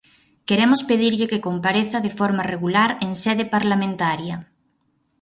Queremos pedirlle que compareza de forma regular en sede parlamentaria.